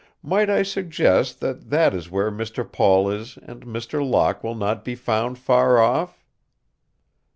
Might I suggest that that is where Mr. Paul is and Mr. Locke will not be found far off?"